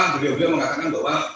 bio bio mengatakan bahwa